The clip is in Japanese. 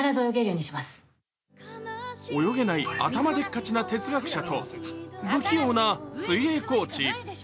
泳げない頭でっかちな哲学者と、不器用な水泳コーチ。